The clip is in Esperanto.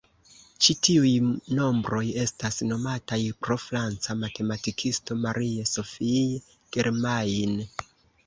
Ĉi tiuj nombroj estas nomataj pro franca matematikisto Marie-Sophie Germain.